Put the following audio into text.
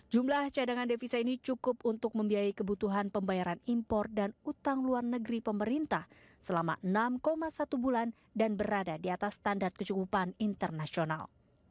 jumlah cadangan devisa ini cukup untuk membiayai kebutuhan pembayaran impor dan utang luar negeri pemerintah selama enam satu bulan dan berada di atas standar kecukupan internasional